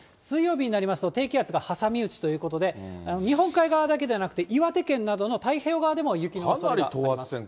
水曜日になると、低気圧が挟み撃ちということで、日本海側だけでなくて、岩手県などの太平洋側でも雪のおそれがあります。